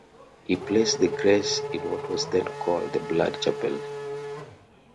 He placed the grace in what was then called the Blood Chapel.